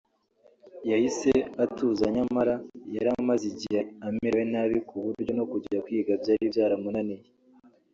yahise atuza nyamara yari amaze igihe amerewe nabi kuburyo no kujya kwiga byari byaramunaniye